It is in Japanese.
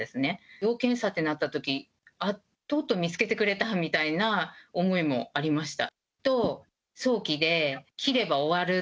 要検査ってなった時にとうとう見つけてくれたみたいな思いもありました。